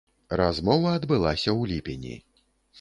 Размова адбылася ў ліпені.